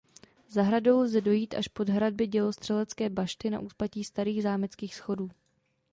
Zahradou lze dojít až pod hradby dělostřelecké bašty na úpatí Starých zámeckých schodů.